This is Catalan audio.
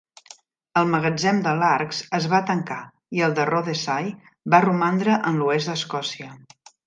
El magatzem de Largs es va tancar, i el de Rothesay va romandre en l'oest d'Escòcia.